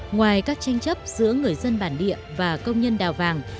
ngoài các tranh chấp giữa người dân bản địa và công nhân đào vàng